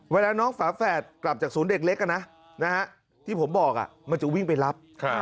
เวลาน้องฝาแฝดกลับจากศูนย์เด็กเล็กที่ผมบอกมันจะวิ่งไปรับ